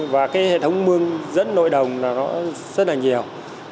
và cái hệ thống mương dẫn nội đồng là nó rất là nhiều